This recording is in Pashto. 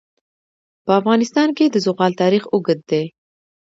په افغانستان کې د زغال تاریخ اوږد دی.